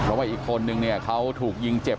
เพราะว่าอีกคนนึงเนี่ยเขาถูกยิงเจ็บ